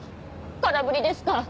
空振りですか？